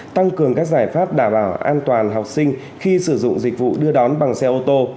tăng cường các giải pháp đảm bảo an toàn học sinh khi sử dụng dịch vụ đưa đón bằng xe ô tô